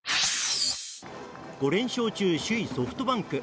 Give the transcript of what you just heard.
５連勝中、首位ソフトバンク。